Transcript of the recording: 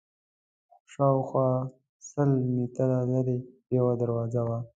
شاوخوا سل متره لرې یوه دروازه وه.